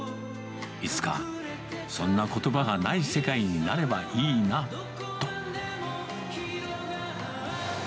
いつかそんなことばがない世界になればいいなと。